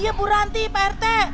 iya bu ranti pak rt